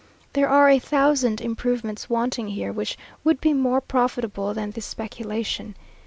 There are a thousand improvements wanting here, which would be more profitable than this speculation.